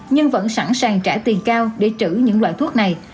nhưng vẫn sẵn sàng trả tiền cao để trữ những loại thuốc này